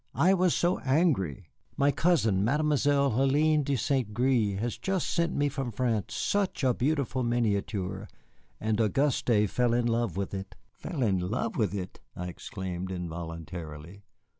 I was so angry. My cousin, Mademoiselle Hélène de Saint Gré, has just sent me from France such a beautiful miniature, and Auguste fell in love with it." "Fell in love with it!" I exclaimed involuntarily.